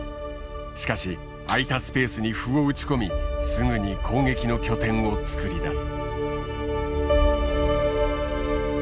しかし空いたスペースに歩を打ち込みすぐに攻撃の拠点を作り出す。